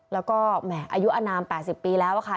แล้วก็แหมอายุอนาม๘๐ปีแล้วค่ะ